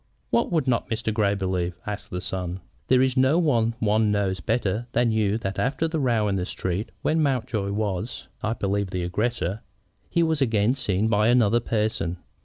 "What would not Mr. Grey believe?" asked the son. "There is no one one knows better than you that after the row in the street, when Mountjoy was, I believe, the aggressor, he was again seen by another person.